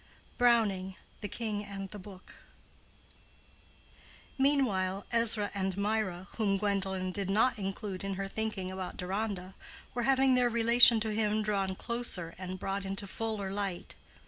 —BROWNING: The King and the Book. Meanwhile Ezra and Mirah, whom Gwendolen did not include in her thinking about Deronda, were having their relation to him drawn closer and brought into fuller light.